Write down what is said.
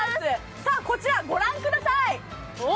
こちら、ご覧ください。